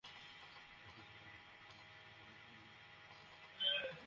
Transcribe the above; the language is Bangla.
তারপর এই পূজা অর্চনা হবে আরকী।